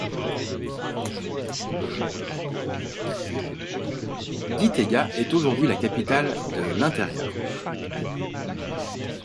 Gitega est aujourd’hui la capitale de “l’intérieur”.